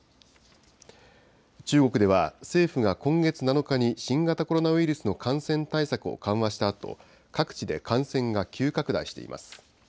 中国では、政府が今月７日に新型コロナウイルスの感染対策を緩和したあと、各地で感染が急拡大しています。